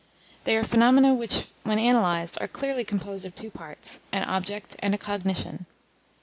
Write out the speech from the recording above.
They are phenomena which, when analysed, are clearly composed of two parts, an object and a cognition.